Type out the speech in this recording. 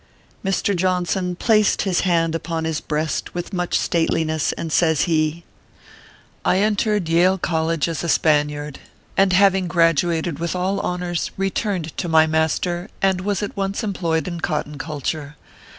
Mr. Johnson placed his hand upon his breast with much stateliness, and says he : "I entered Yale Col 10 218 ORPHEUS C. KERR PAPERS. lege as a Spaniard, and having graduated with all honors, returned to my master, and was at once em ployed in cotton culture.